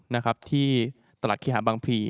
นะครับที่ตลาดเคหาบางพลี